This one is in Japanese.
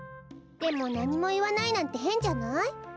でもなにもいわないなんてへんじゃない？